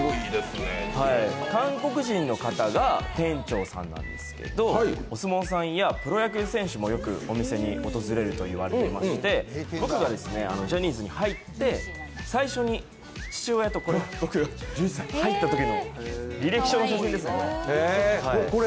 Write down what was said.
韓国人の方が店長さんなんですけどお相撲さんやプロ野球選手もよくお店に訪れると言われていまして僕がジャニーズに入って最初に父親とこれ、僕が１１歳、入ったときの履歴書の写真ですね。